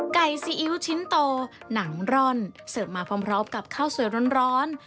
ซีอิ๊วชิ้นโตหนังร่อนเสิร์ฟมาพร้อมกับข้าวสวยร้อน